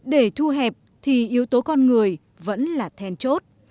để thu hẹp thì yếu tố con người vẫn là then chốt